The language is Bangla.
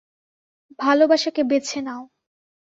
ভালোবাসাকে বেছে নাও।